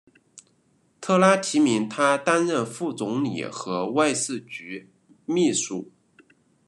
特纳提名他担任副总理和外事局秘书。